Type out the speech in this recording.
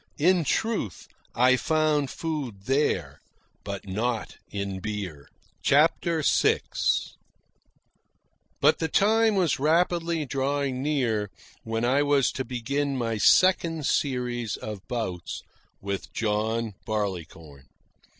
In truth, I found food there, but not in beer. CHAPTER VI But the time was rapidly drawing near when I was to begin my second series of bouts with John Barleycorn.